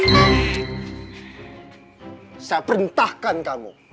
saya perintahkan kamu